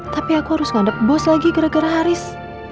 tapi aku harus ngandep bos lagi gara gara haris